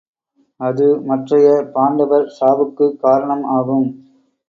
அது மற்றைய பாண்டவர் சாவுக்குக் காரணம் ஆகும்.